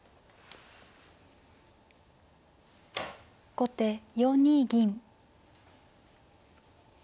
後手４二銀。